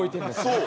そう。